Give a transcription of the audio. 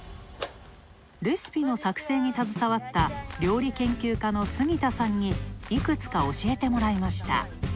レシピの作成に携わった、料理研究家の杉田さんにいくつか教えてもらいました。